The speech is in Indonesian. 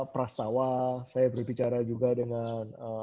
prastawa saya berbicara juga dengan